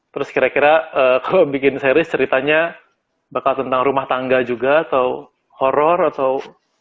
terus kira kira kalau bikin series ceritanya bakal tentang rumah tangga juga atau horror atau